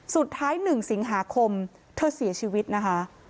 สุดท้าย๑สิงหาคมเธอเสียชีวิตนะคะ